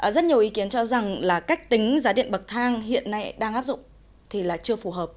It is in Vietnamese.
rất nhiều ý kiến cho rằng là cách tính giá điện bậc thang hiện nay đang áp dụng thì là chưa phù hợp